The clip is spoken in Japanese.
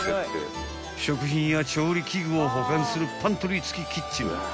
［食品や調理器具を保管するパントリー付きキッチン］